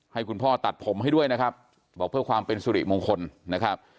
ให้คุณพ่อตัดผมให้ด้วยนะครับบอกเพื่อความเป็นสุริมงคลนะครับ